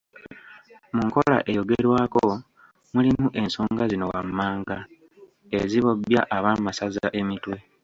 Mu nkola eyogerwako, mulimu ensonga zino wammanga, ezibobbya ab'amasaza emitwe.